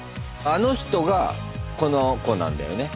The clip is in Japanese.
あの人がこの子なんだよね。